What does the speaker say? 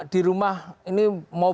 di rumah ini mau